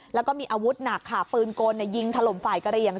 แล้วก็มีอาวุธหนักค่ะฟื้นกลยิงทะลมฝ่ายกะเรียง